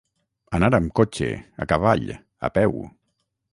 Anar amb cotxe, a cavall, a peu.